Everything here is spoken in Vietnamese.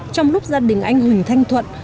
trong lúc gia đình anh huỳnh thanh thuận